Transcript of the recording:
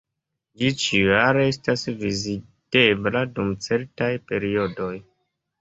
Ĝi ĉiujare estas vizitebla dum certaj periodoj.